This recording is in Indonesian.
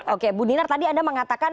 oke bu dinar tadi anda mengatakan